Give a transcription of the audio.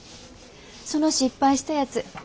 その失敗したやつ